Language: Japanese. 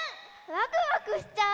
ワクワクしちゃう。